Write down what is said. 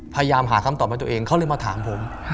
ไปหาคำตอบเองเขาเลยมาถามผม